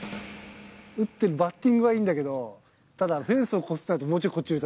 打ってるバッティングはいいんだけど、ただ、フェンスを越すとなると、もうちょいこっちに打